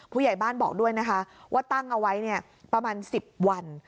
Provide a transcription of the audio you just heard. ผู้ใหญ่บ้านบอกด้วยนะคะว่าตั้งเอาไว้ประมาณ๑๐วัน